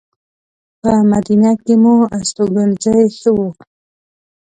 په مدینه کې مو استوګنځی ښه و.